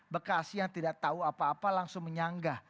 bekasi yang tidak tahu apa apa langsung menyanggah